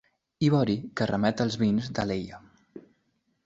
Ivori que remet als vins d'Alella.